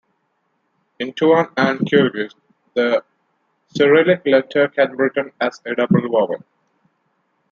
In Tuvan and Kyrgyz the Cyrillic letter can be written as a double vowel.